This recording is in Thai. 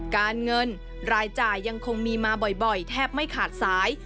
การเงินรายจ่ายยังคงมีมาบ่อยแทบไม่ขาดสาย